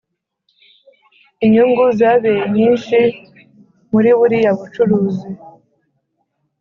inyungu zabeye nyinshi muri buriya bucuruzi